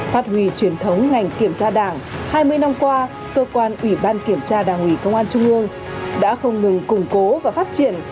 phát huy truyền thống ngành kiểm tra đảng hai mươi năm qua cơ quan ủy ban kiểm tra đảng ủy công an trung ương đã không ngừng củng cố và phát triển